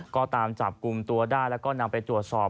ก็ตามจับกลุ่มตัวได้แล้วก็นำไปตรวจสอบ